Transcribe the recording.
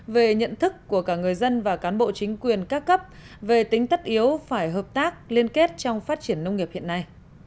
về nhận thức của cả người dân và cán bộ chính quyền các cấp về tính tất yếu phải hợp tác liên kết trong phát triển nông nghiệp hiện nay